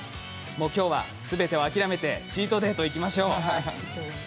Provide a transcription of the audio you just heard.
もう今日は全てを諦めてチートデーといきましょう。